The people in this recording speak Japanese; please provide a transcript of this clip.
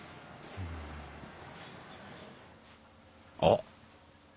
あっ。